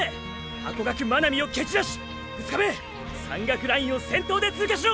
ハコガク真波をけちらし２日目山岳ラインを先頭で通過しろ！！